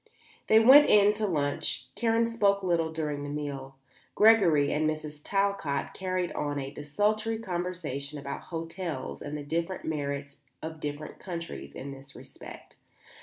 They went in to lunch. Karen spoke little during the meal. Gregory and Mrs. Talcott carried on a desultory conversation about hotels and the different merits of different countries in this respect.